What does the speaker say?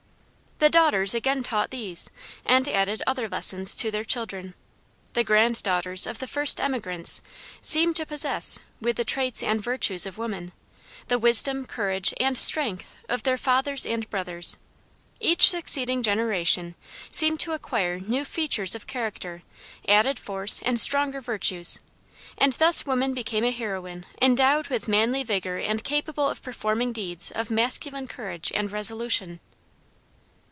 The daughters again taught these, and added other lessons, to their children. The grand daughters of the first emigrants seemed to possess with the traits and virtues of woman the wisdom, courage, and strength of their fathers and brothers. Each succeeding generation seemed to acquire new features of character, added force, and stronger virtues, and thus woman became a heroine endowed with manly vigor and capable of performing deeds of masculine courage and resolution.